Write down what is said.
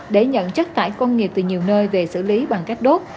để nhận chất thải công nghiệp từ nhiều nơi về xử lý bằng cách đốt